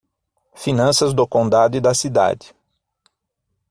Finanças do condado e da cidade